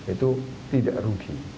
itu tidak rugi